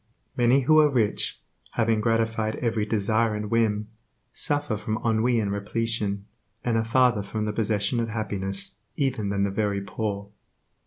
Many who are rich, having gratified every desire and whim, suffer from ennui and repletion, and are farther from the possession of happiness even than the very poor.